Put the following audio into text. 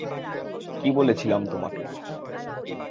কি বলেছিলাম তোমাকে?